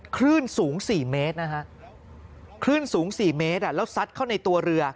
คลื่นสูง๔เมตรแล้วซัดเข้าในตัวเรือ